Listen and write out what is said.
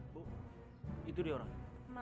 bu itu dia orangnya